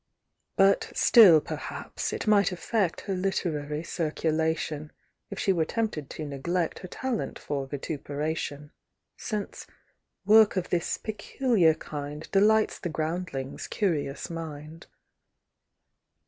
But still, perhaps, it might affect Her literary circulation, If she were tempted to neglect Her talent for vituperation; Since work of this peculiar kind Delights the groundlingŌĆÖs curious mind.